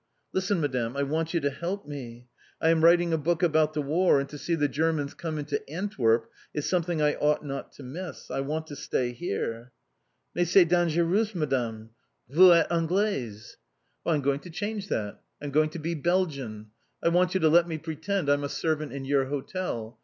"Listen, Madame! I want you to help me. I am writing a book about the War, and to see the Germans come into Antwerp is something I ought not to miss. I want to stay here!" "Mais, c'est dangereux, Madame! Vous êtes Anglaise!" "Well, I'm going to change that; I'm going to be Belgian. I want you to let me pretend I'm a servant in your hotel.